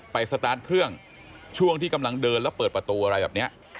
สตาร์ทเครื่องช่วงที่กำลังเดินแล้วเปิดประตูอะไรแบบนี้